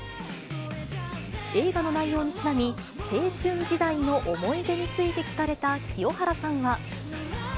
映画の内容にちなみ、青春時代の思い出について聞かれた清原さんは。